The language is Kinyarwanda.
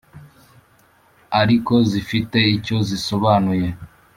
ariko zifite icyo zisobanuye